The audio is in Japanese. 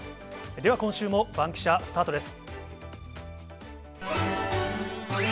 では、今週もバンキシャ、スタートです。